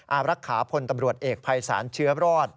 อารักษาพลตำรวจเอกภัยศาลเชื้อรอด